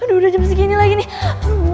udah jam segini lagi nih